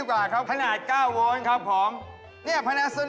บอกมาซื้อถ่านทีแรกกรมลดเรื่องแล้ว